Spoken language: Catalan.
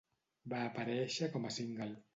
Va aparèixer com a single.